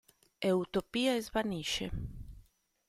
E Utopia svanisce.